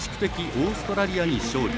オーストラリアに勝利。